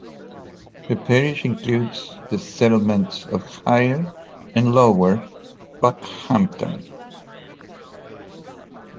The parish includes the settlements of Higher and Lower Bockhampton.